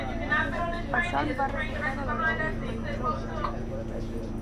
Això li va resultar dolorós, per injust.